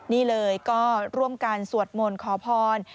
นี่เลยก็ร่วมกันสวดมนต์ขอพร